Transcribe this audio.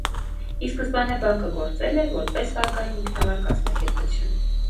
Ի սկզբանե բանկը գործել է որպես վարկային ինքնավար կազմակերպություն։